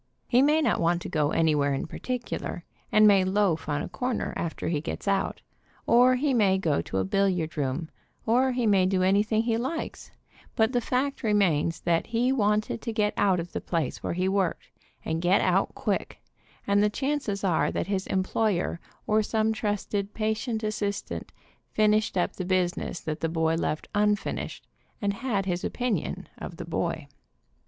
He may not want to CLOCK WATCHER AND WHISTLE JUMPER 6 1 go anywhere in particular, and may loaf on a corner after he gets out, or he may go to a billiard room, or he may do anything he likes, but the fact remains that he wanted to get out of the place where he worked, and get out quick, and the chances are that his em ployer or some trusted, patient assistant finished up the business that the boy left unfinished, and had his opinion of the boy.